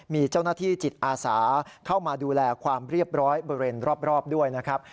มีเจ้าหน้าที่จิตอาสาเข้ามาดูแลความเรียบร้อยบริเวณรอบด้วยนะครับ